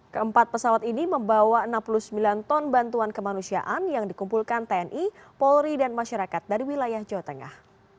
keempat pesawat ini membawa enam puluh sembilan ton bantuan kemanusiaan yang dikumpulkan tni polri dan masyarakat dari wilayah jawa tengah